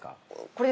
これ。